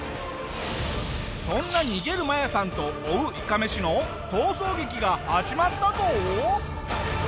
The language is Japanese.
そんな逃げるマヤさんと追ういかめしの逃走劇が始まったぞ！